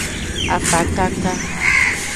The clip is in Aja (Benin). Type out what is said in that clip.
Afakaka.